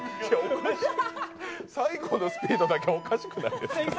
最後のスピードだけおかしくないですか？